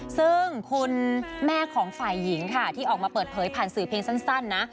ซึ่งคุณแม่ของฝ่ายหญิงค่ะที่ออกมาเปิดเผยผ่านสื่อเพียงสั้นนะ